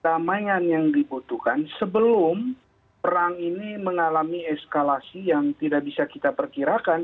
damaian yang dibutuhkan sebelum perang ini mengalami eskalasi yang tidak bisa kita perkirakan